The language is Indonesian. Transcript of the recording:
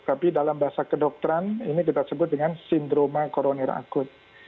tapi dalam bahasa kedokteran ini kita sebut dengan sindroma koronir akut